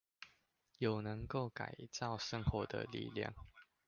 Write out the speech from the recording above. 有能夠改造生活的力量